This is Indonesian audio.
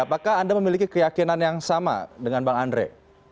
apakah anda memiliki keyakinan yang sama dengan bang andre